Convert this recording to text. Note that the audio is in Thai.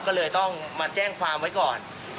ก็เลยต้องมาแจ้งความไว้ก่อน